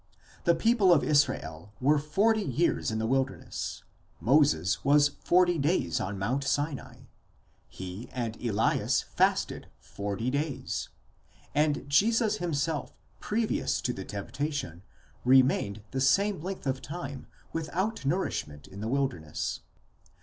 The people of Israel were forty years in the wilder ness; Moses was forty days on mount Sinai; he and Elias fasted forty days ; and Jesus himself previous to the temptation remained the same length of time without nourishment in the wilderness.